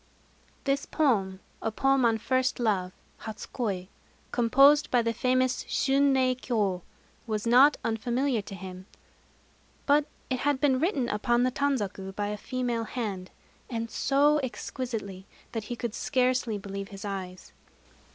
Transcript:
This poem a poem on first love (hatsu koi), composed by the famous Shunrei Kyô was not unfamiliar to him; but it had been written upon the tanzaku by a female hand, and so exquisitely that he could scarcely believe his eyes.